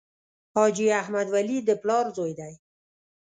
حاجي احمد ولي د پلار زوی دی.